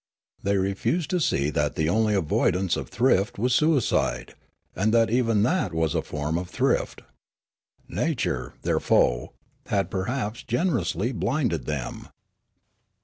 They refused to see that the only avoidance of thrift was suicide, and that even that was a form of thrift. Nature, their foe, had perhaps generously blinded them.